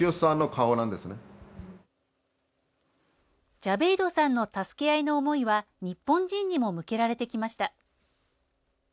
ジャベイドさんの助け合いの思いは日本人にも向けられてきました。